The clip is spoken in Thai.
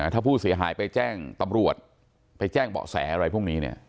ถ้าผู้เสียหายไปแจ้งตำรวจไปแจ้งเบาะแสอะไรพวกนี้